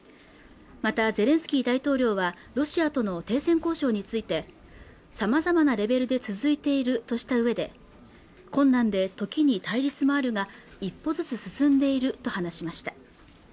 またゼレンスキー大統領はロシアとの停戦交渉についてさまざまなレベルで続いているとしたうえで困難で時に対立もあるが一歩ずつ進んでいると話しました